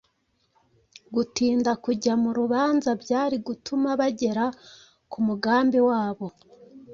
Gutinda kujya mu rubanza byari gutuma bagera ku mugambi wabo